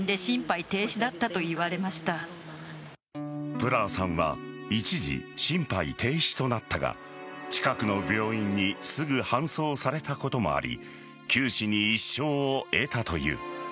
プラーさんは一時心肺停止となったが近くの病院にすぐ搬送されたこともあり九死に一生を得たという。